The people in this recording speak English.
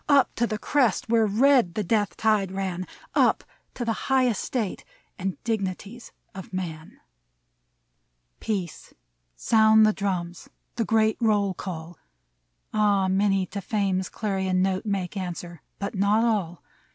Up to the crest where red the death tide ran, — Up to the high estate and dignities of Man ! 1 68 MEMORIAL ODE Peace ! Sound the drums ! The great roll call ! Ah, many to Fame's clarion note Make answer ; but not all